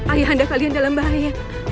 ayahanda kalian dalam bahaya